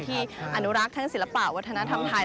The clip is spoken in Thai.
อนุรักษ์ทั้งศิลปะวัฒนธรรมไทย